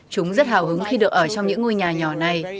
chúng rất hào hứng khi được ở trong những ngôi nhà nhỏ này